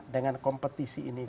dengan kompetisi ini